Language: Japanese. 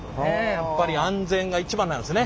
やっぱり安全が一番なんですね。